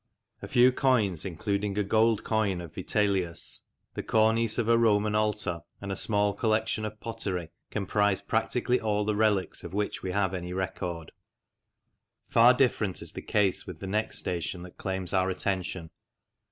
A few coins, including a gold coin of Vitellius, the cornice of a Roman altar, and a small collection of pottery, comprise practically all the relics of which we have any record. Far different is the case with the next station that claims our attention.